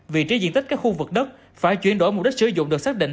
vị trí diện tích các khu vực đất phải chuyển đổi mục đích sử dụng được xác định